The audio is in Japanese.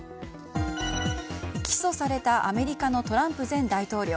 起訴されたアメリカのトランプ前大統領。